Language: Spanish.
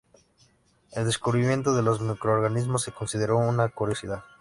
El descubrimiento de los microorganismos se consideró una curiosidad.